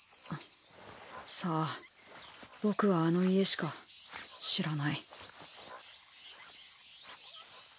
さあ僕はあの家しか知らない。